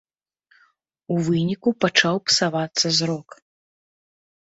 У выніку пачаў псавацца зрок.